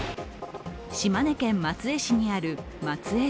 島根県松江市にある松江城。